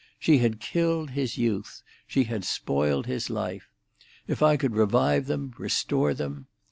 She had killed his youth; she had spoiled his life: if I could revive them, restore them!